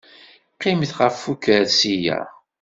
Qqimet ɣef ukersi-a.